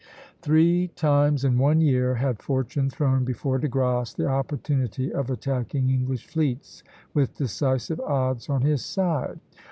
Three times in one year had Fortune thrown before De Grasse the opportunity of attacking English fleets with decisive odds on his side.